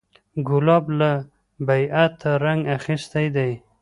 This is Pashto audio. ګلاب له طبیعته رنګ اخیستی دی.